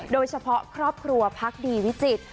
โดยเฉพาะครอบครัวพักดีวิจิตร